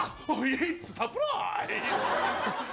イッツサプライズ。